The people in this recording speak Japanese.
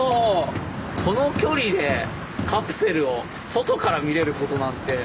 この距離でカプセルを外から見れることなんて。